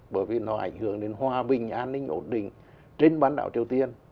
bởi vì nó ảnh hưởng đến hòa bình an ninh ổn định trên bán đảo triều tiên